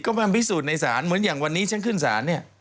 ก็มาพิสูจน์ในศาลเหมือนอย่างวันนี้ฉันขึ้นศาลเนี่ย